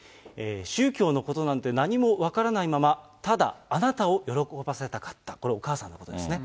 宗教のことなんて何も分からないまま、ただ、あなたを喜ばせたかった、これ、お母さんのことですね。